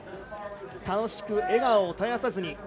楽しく笑顔を絶やさずに。